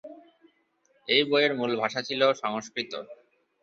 এই বইয়ের মূল ভাষা ছিল সংস্কৃত।